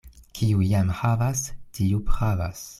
Kiu jam havas, tiu pravas.